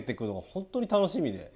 本当に楽しみで。